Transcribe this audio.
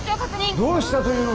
どうしたというのです。